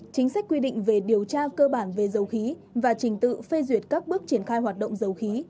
chính sách quy định về điều tra cơ bản về dầu khí và trình tự phê duyệt các bước triển khai hoạt động dầu khí